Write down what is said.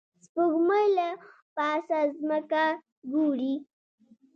سپوږمکۍ له پاسه ځمکه ګوري